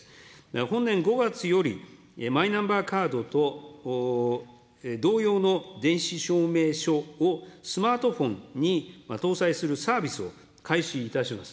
本年５月よりマイナンバーカードと同様の電子証明書をスマートフォンに搭載するサービスを開始いたします。